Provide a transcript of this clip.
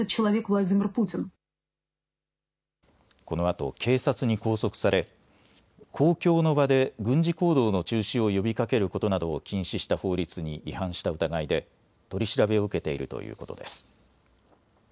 このあと警察に拘束され、公共の場で軍事行動の中止を呼びかけることなどを禁止した法律に違反した疑いで取り調べを受けているということです。